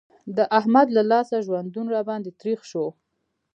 د احمد له لاسه ژوندون را باندې تريخ شو.